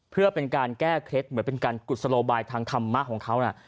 เพื่อเป็นการแก้เคล็ดเหมือนเป็นการกุศโลบายทางธรรมะของเขานะ